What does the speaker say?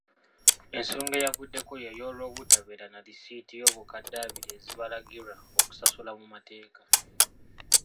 Ensonga eyavudeko yey'olwobutabeera na lisiiti y'obukadde abiri ezibalagirwa okusasula mu mateeka.